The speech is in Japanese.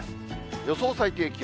予想最低気温。